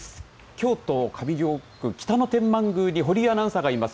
京都上京区、北野天満宮に堀井アナウンサーがいます。